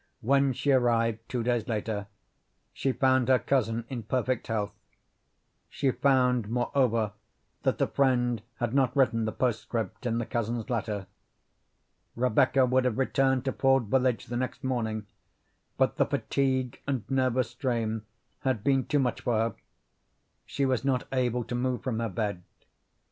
When she arrived, two days later, she found her cousin in perfect health. She found, moreover, that the friend had not written the postscript in the cousin's letter. Rebecca would have returned to Ford Village the next morning, but the fatigue and nervous strain had been too much for her. She was not able to move from her bed.